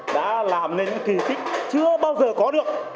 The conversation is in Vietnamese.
đã làm nên những kỳ tích chưa bao giờ có được